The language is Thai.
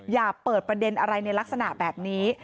อย่าเปิดประเด็นอะไรในลักษณะแบบนี้